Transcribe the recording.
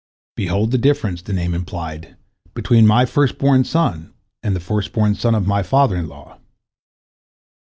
"Behold the difference," the name implied, "between my first born son and the first born son of my father in law.